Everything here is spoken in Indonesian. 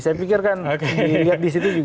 saya pikir kan dilihat disitu juga